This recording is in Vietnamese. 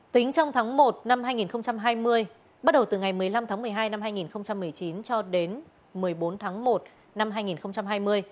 tính trong tháng một năm hai nghìn hai mươi bắt đầu từ ngày một mươi năm tháng một mươi hai năm hai nghìn một mươi chín cho đến một mươi bốn tháng một năm hai nghìn hai mươi